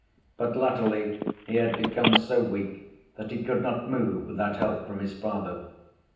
But latterly he had become so weak that he could not move without help from his father.